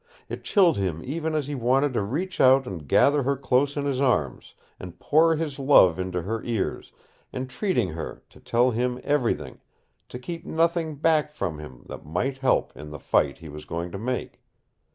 It chilled him even as he wanted to reach out and gather her close in his arms, and pour his love into her ears, entreating her to tell him everything, to keep nothing back from him that might help in the fight he was going to make.